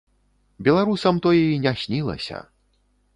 Беларусам тое і не снілася.